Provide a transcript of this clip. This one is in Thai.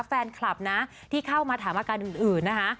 แฟนคลับนะที่เข้ามาถามอาการอื่นนะคะ